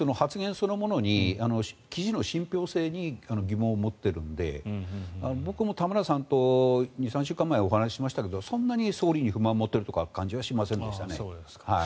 そのものに記事の信ぴょう性に疑問を持っているので僕も田村さんと２３週間前にお話ししましたけどそんなに総理に不満を持っているという感じはしませんでした。